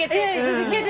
続ける。